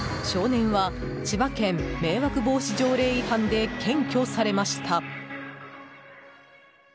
少年は千葉県迷惑防止条例違反で検挙されました。